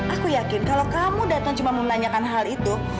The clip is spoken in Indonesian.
aku yakin kalau kamu datang cuma menanyakan hal itu